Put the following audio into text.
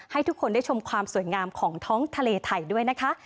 ให้ทุกคนได้ชมความสวยงามของท้องทะเลไทยด้วยนะคะ